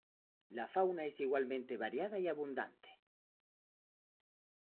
La fauna es igualmente variada y abundante.